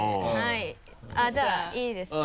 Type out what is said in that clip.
じゃあいいですか？